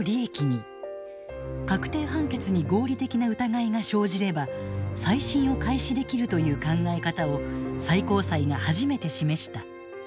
確定判決に合理的な疑いが生じれば再審を開始できるという考え方を最高裁が初めて示した。